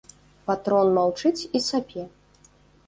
Патрон маўчыць і сапе.